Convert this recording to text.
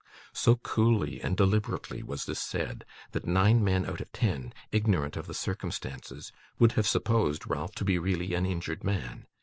So coolly and deliberately was this said, that nine men out of ten, ignorant of the circumstances, would have supposed Ralph to be really an injured man.